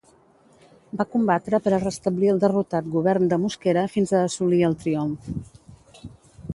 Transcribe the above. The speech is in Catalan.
Va combatre per a restablir el derrotat govern de Mosquera fins a assolir el triomf.